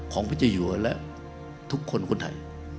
ของพระเจ้าหยุดและทุกคนคนไทย